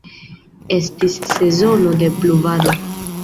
Estis sezono de pluvado.